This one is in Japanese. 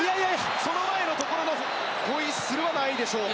その前のところのホイッスルはないでしょうか。